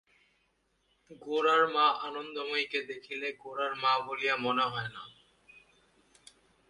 গোরার মা আনন্দময়ীকে দেখিলে গোরার মা বলিয়া মনে হয় না।